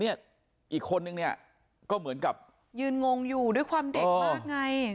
อีกคนนึงเนี่ยก็เหมือนกับยืนงงอยู่ด้วยความเด็กมากไง